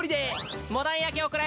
モダン焼きおくれ。